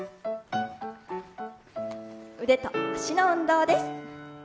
腕と脚の運動です。